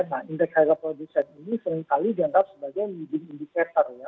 nah indeks highlight producent ini seringkali dianggap sebagai leading indicator ya